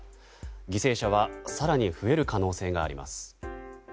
犠牲者は更に増える可能性があります。